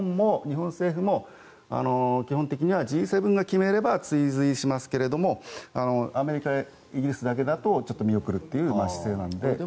日本政府も基本的にはＧ７が決めれば追随しますけどアメリカやイギリスだけだとちょっと見送るという姿勢なので。